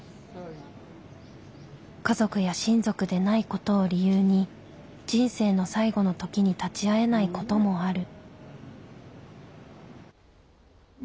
家族や親族でないことを理由に人生の最期の時に立ち会えないこともある。